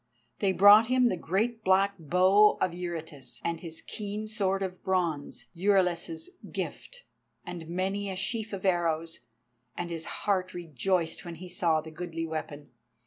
They brought him the great black bow of Eurytus, and his keen sword of bronze, Euryalus' gift, and many a sheaf of arrows, and his heart rejoiced when he saw the goodly weapon.